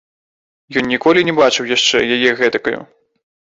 Ён ніколі не бачыў яшчэ яе гэтакаю.